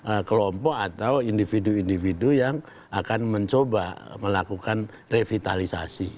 ada kelompok atau individu individu yang akan mencoba melakukan revitalisasi